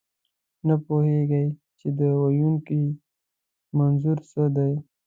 نه پوهېږئ، چې د ویونکي منظور څه دی.